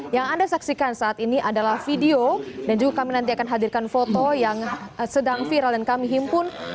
yang anda saksikan saat ini adalah video dan juga kami nanti akan hadirkan foto yang sedang viral dan kami himpun